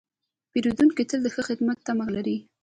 پیرودونکی تل د ښه خدمت تمه لري.